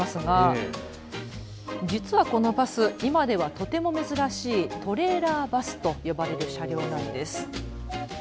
実はこのバス、今ではとても珍しいトレーラーバスと呼ばれる車両なんです。